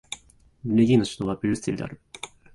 ベルギーの首都はブリュッセルである